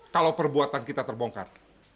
kalau perbuatan kita terbongkar